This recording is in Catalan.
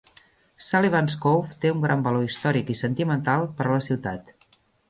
Sullivans Cove té un gran valor històric i sentimental per a la ciutat.